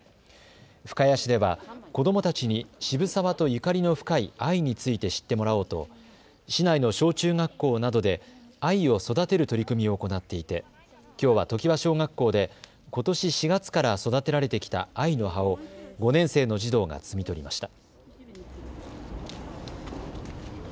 深谷市では子どもたちに渋沢とゆかりの深い藍について知ってもらおうと市内の小中学校などで藍を育てる取り組みを行っていてきょうは常盤小学校でことし４月から育てられてきた藍の葉を５年生の児童が摘み取りました。